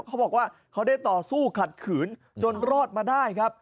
เขาบอกว่าเขาได้ต่อสู้ขัดขืนจนรอดมาได้ครับ